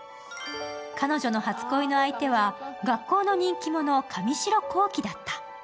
彼女の初恋の相手は学校の人気者、神城光輝だった。